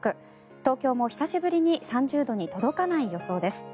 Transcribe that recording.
東京も久しぶりに３０度に届かない予想です。